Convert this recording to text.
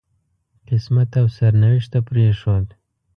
قسمت او سرنوشت ته پرېښود.